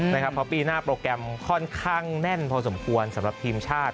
เพราะปีหน้าโปรแกรมค่อนข้างแน่นพอสมควรสำหรับทีมชาติ